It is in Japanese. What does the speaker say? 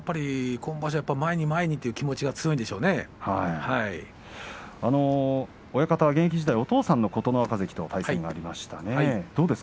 今場所は前に前にという気持ちが若松親方は、お父さんの琴ノ若との対戦がありましたね。